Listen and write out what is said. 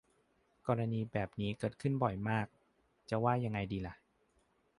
กรณีแบบนี้เกิดขึ้นบ่อยมาก จะว่ายังไงดีหล่ะ